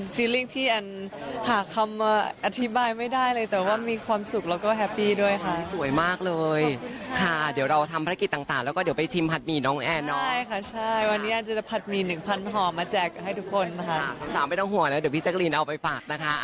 สามไม่ต้องห่วงนะเดี๋ยวพี่แจ๊คลีนเอาไปฝากนะคะ